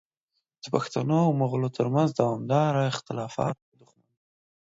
د پښتنو او مغولو ترمنځ دوامداره اختلافات او دښمنۍ